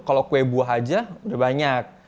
kalau kue buah aja udah banyak